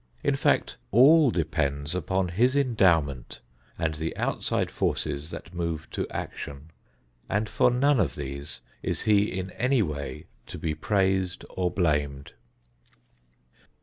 In fact, all depends upon his endowment and the outside forces that move to action, and for none of these is he in any way to be praised or blamed.